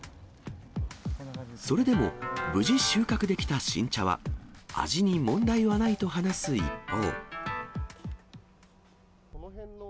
それでも無事収穫できた新茶は、味に問題はないと話す一方。